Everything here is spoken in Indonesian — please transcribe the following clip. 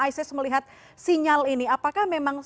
isis melihat sinyal ini apakah memang